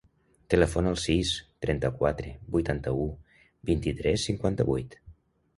Telefona al sis, trenta-quatre, vuitanta-u, vint-i-tres, cinquanta-vuit.